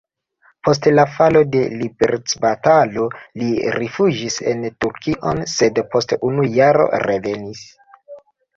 Post la falo de liberecbatalo li rifuĝis en Turkion, sed post unu jaro revenis.